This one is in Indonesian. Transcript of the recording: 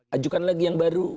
ajukan lagi yang baru